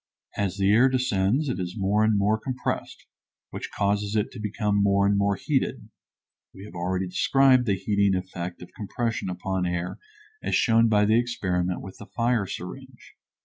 As the air descends it is more and more compressed, which causes it to become more and more heated. We have already described the heating effect of compression upon air as shown by the experiment with the fire syringe.